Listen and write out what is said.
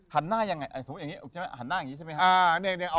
หันหน้าอย่างไรสมมุติอย่างนี้เอาแบบนี้ใช่ไหมครับ